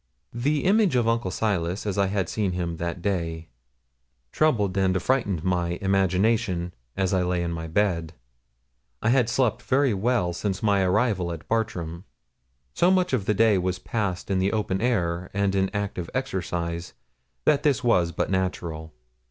The image of Uncle Silas, as I had seen him that day, troubled and affrighted my imagination, as I lay in my bed; I had slept very well since my arrival at Bartram. So much of the day was passed in the open air, and in active exercise, that this was but natural.